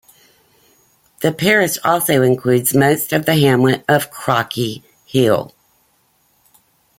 The parish also includes most of the hamlet of Crockey Hill.